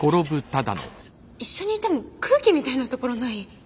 一緒にいても空気みたいなところない？